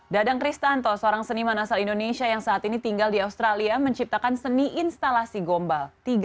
dadang kristanto seorang seniman asal indonesia yang saat ini tinggal di australia menciptakan seni instalasi gombal